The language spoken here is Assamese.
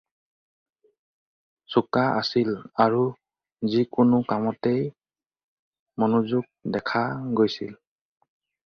চোকা আছিল আৰু যি কোনো কামতে মনোযোগ দেখা গৈছিল।